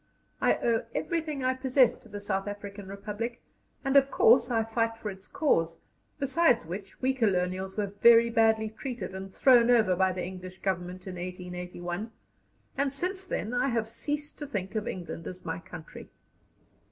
I owe everything I possess to the South African Republic, and of course I fight for its cause; besides which, we colonials were very badly treated and thrown over by the English Government in 1881, and since then I have ceased to think of England as my country."